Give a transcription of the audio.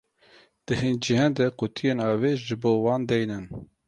Di hin cihan de qutiyên avê ji bo wan deynin.